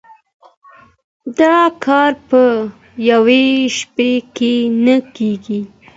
دا کار په يوه شپه کي نه کيږي.